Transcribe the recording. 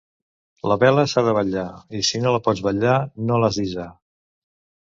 La vela s'ha de vetllar, i si no la pots vetllar, no l'has d'hissar.